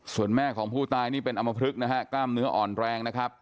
ส่วนแม่ของผู้ตายนี่เป็นอมพลึกนะฮะกล้ามเนื้ออ่อนแรงนะครับ